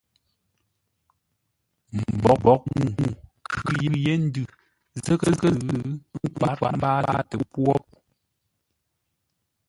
Mbwoghʼ ŋuu khʉ yé ndʉ zə́ghʼə́-zʉ́, ə́ nkwát mbáatə pwô po.